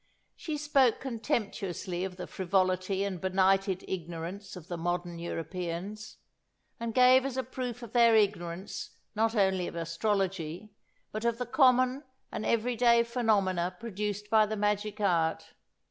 She spoke contemptuously of the frivolity and benighted ignorance of the modern Europeans, and gave as a proof their ignorance not only of astrology, but of the common and every day phenomena produced by the magic art.